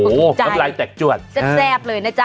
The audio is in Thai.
ผมกลับใจน้ำลายแตกจ้วนจะแซ่บเลยนะจ๊ะ